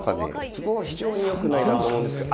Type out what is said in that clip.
そこが非常に良くないなと思うんですけど。